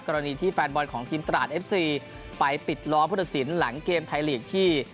กรณีที่แฟนบอลของทีมตราดเอฟซีไปปิดล้อผู้ตัดสินหลังเกมไทยลีกที่